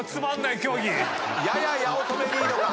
やや八乙女リードか？